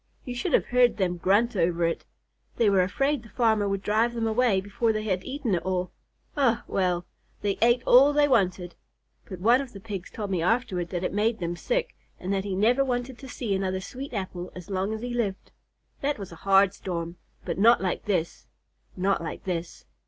You should have heard them grunt over it. They were afraid the farmer would drive them away before they had eaten it all. Eh, well! They ate all they wanted, but one of the Pigs told me afterward that it made them sick, and that he never wanted to see another sweet apple as long as he lived. That was a hard storm, but not like this, not like this."